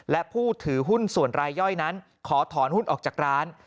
และผู้ถือหุ้นส่วนรายย่อยนั้นขอถอนหุ้นออกจากร้าน